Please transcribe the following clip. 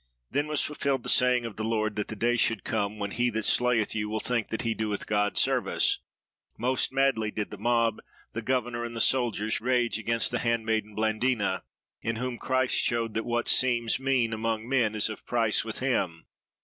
"Then was fulfilled the saying of the Lord that the day should come, When he that slayeth you will think that he doeth God service. Most madly did the mob, the governor and the soldiers, rage against the handmaiden Blandina, in whom Christ showed that what seems mean among men is of price with Him.